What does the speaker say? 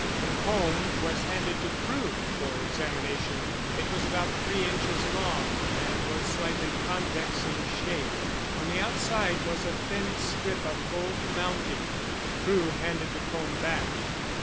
The comb was handed to Crewe for examination. It was about three inches long and was slightly convex in shape. On the outside was a thin strip of gold mounting. Crewe handed the comb back.